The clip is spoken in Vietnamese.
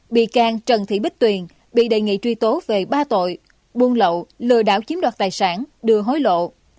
bị can trần thị bích tuyền bị đề nghị truy tố về ba tội buôn lậu lừa đảo chiếm đoạt tài sản đưa hối lộ